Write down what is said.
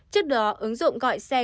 trước đó ứng dụng gọi xe